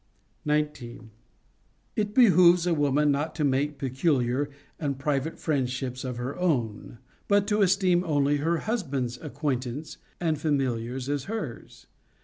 19. It behooves a woman not to make peculiar and pri vate friendships of her own, but to esteem only her hus band's acquaintance and familiars as hers.